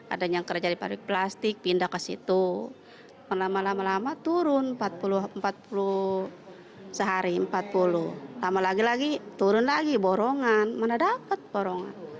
ada yang kerja di pabrik plastik pindah ke situ lama lama turun empat puluh sehari empat puluh lama lagi lagi turun lagi borongan mana dapat borongan